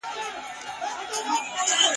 رنګ به د پانوس نه وي تیاره به وي ..